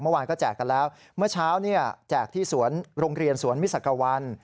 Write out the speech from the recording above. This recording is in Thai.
เมื่อวานก็แจกกันแล้วเมื่อเช้าเนี่ยแจกที่สวนโรงเรียนสวนมิสักวัน